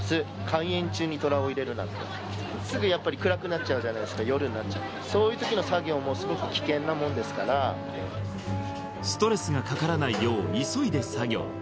開園中にトラを入れるなんてすぐやっぱり暗くなっちゃうじゃないですか夜になっちゃうそういう時の作業もすごく危険なもんですからストレスがかからないよう急いで作業